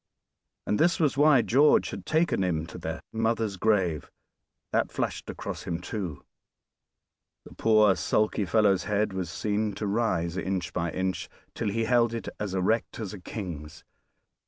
And this was why George had taken him to their mother's grave. That flashed across him, too. The poor sulky fellow's head was seen to rise inch by inch till he held it as erect as a king's.